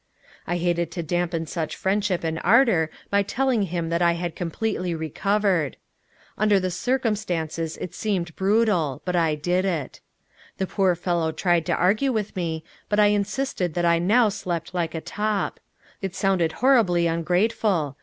I hated to dampen such friendship and ardor by telling him that I had completely recovered. Under the circumstances it seemed brutal but I did it. The poor fellow tried to argue with me, but I insisted that I now slept like a top. It sounded horribly ungrateful.